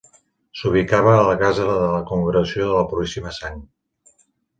S'ubicava a la Casa de la Congregació de la Puríssima Sang.